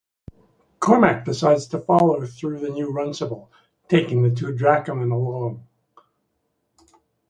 Cormac decides to follow through the new Runcible, taking the two dracomen along.